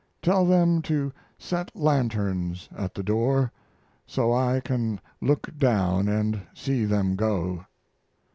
Tell them to set lanterns at the door, so I can look down and see them go."